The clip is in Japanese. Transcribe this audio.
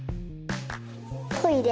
トイレ。